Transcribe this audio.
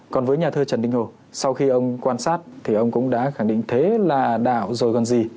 còn với nhà thơ trần đình hồ sau khi ông quan sát thì ông cũng đã khẳng định thế là đạo rồi còn gì